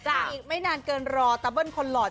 อีกไม่นานเกินรอตะเบิ้ลคนหลอด